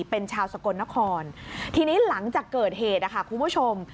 เป็นชาวสกลนครทีนี้หลังจากเกิดเหตุนะคะคุณผู้ชม